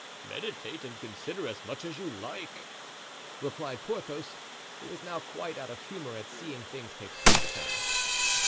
"Meditate and consider as much as you like," replied Porthos, who was now quite out of humor at seeing things take this turn.